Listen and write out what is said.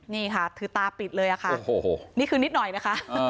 นี่ค่ะถือตาปิดเลยค่ะโอ้โหนี่คือนิดหน่อยนะคะ